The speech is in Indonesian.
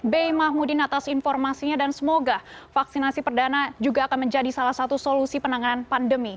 b mahmudin atas informasinya dan semoga vaksinasi perdana juga akan menjadi salah satu solusi penanganan pandemi